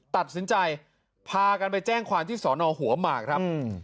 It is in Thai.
ตัดสินใจพากันไปแจ้งความที่สอนอหัวหมากครับ